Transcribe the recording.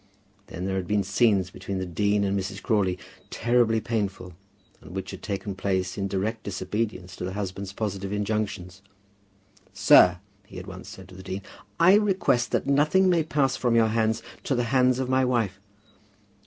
Then there had been scenes between the dean and Mrs. Crawley, terribly painful, and which had taken place in direct disobedience to the husband's positive injunctions. "Sir," he had once said to the dean, "I request that nothing may pass from your hands to the hands of my wife."